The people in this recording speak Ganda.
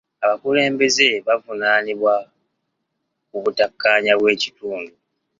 Abakulembeze bavunaanyibwa ku butakkaanya bw'ekitundu.